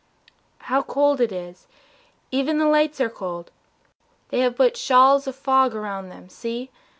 ... How cold it is! Even the lights are cold; They have put shawls of fog around them, see!